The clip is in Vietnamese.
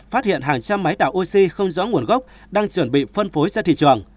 phát hiện hàng trăm máy tạo oxy không rõ nguồn gốc